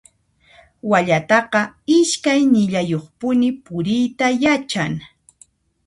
Wallataqa iskaynillayuqpuni puriyta yachan.